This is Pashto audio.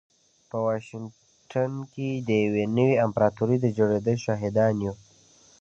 په واشنګټن کې د يوې نوې امپراتورۍ د جوړېدو شاهدان يو.